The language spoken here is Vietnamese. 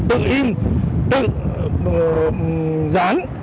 tự in tự dán